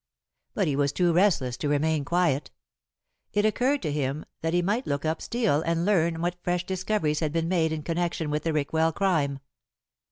But he was too restless to remain quiet. It occurred to him that he might look up Steel and learn what fresh discoveries had been made in connection with the Rickwell crime.